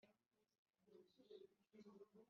Ab i Beteli na Ayi ni ijana na makumyabiri